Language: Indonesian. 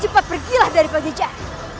cepat pergilah dari pengejar